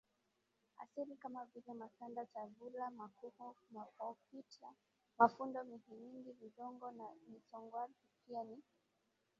asili kama vile masada savula makuhu mahofita mafudo minhingi vudongo na nisongwaPia ni